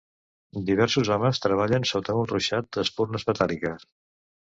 Diversos homes treballen sota un ruixat de espurnes metàl·liques.